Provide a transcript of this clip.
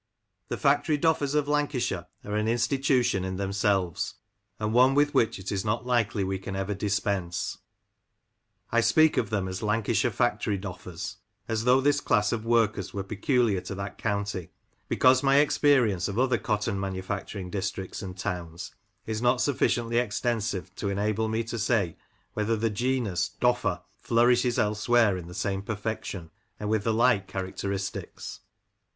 THE Factory Doffers of Lancashire are an institution in themselves, and one with which it is not likely we can ever dispense. I speak of them as "Lancashire Factory Doffers," as though this class of workers were peculiar to that county, because my experience of other cotton manu facturing districts and towns is not sufficiently extensive to enable me to say whether the genus "Doffer" flourishes elsewhere in the same perfection, and with the like char acteristics.